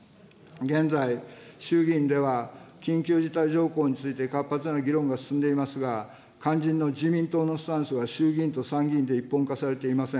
現在、衆議院では緊急事態条項について活発な議論が進んでいますが、肝心の自民党のスタンスが衆議院と参議院で一本化されていません。